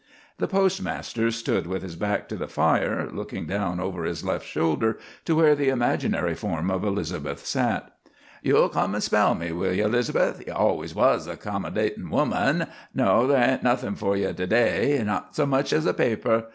The postmaster stood with his back to the fire, looking down over his left shoulder to where the imaginary form of Elizabeth sat. "You'll come an' spell me, will ye, 'Liz'beth? You allus was a 'commodatin' woman. No, there ain't nothin' for ye to day not so much as a paper.